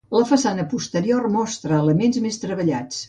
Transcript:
La façana posterior mostra elements més treballats.